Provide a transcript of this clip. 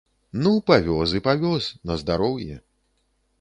Ну, павёз і павёз, на здароўе.